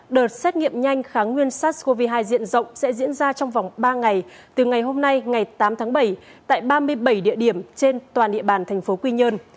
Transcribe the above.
đợt xét nghiệm nhanh kháng nguyên sars cov hai diện rộng sẽ diễn ra trong vòng ba ngày từ ngày hôm nay ngày tám tháng bảy tại ba mươi bảy địa điểm trên toàn địa bàn thành phố quy nhơn